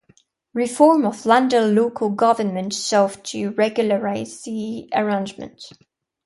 Reform of London local government sought to regularise this arrangement.